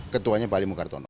ketuanya pak ali mukartono